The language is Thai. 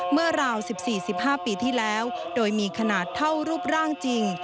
ราว๑๔๑๕ปีที่แล้วโดยมีขนาดเท่ารูปร่างจริง